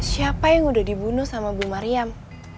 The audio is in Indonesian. siapa yang udah dibunuh sama bu mariam